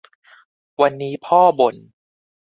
วันนี้พ่อบ่น